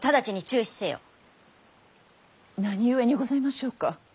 何故にございましょうか。